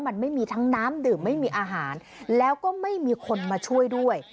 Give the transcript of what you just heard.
มันไม่มีทั้งน้ำดื่มไม่มีอาหารแล้วก็ไม่มีคนมาช่วยด้วย